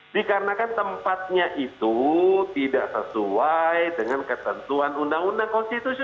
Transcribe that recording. dikarenakan tempatnya itu tidak sesuai dengan ketentuan undang undang konstitusi